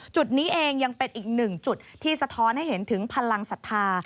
จุดนี้เองยังเป็นอีกหนึ่งจุดที่สะท้อนให้เห็นถึงพลังศรัทธา